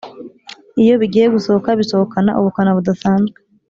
iyo bigiye gusohoka bisohokana ubukana budasanzwe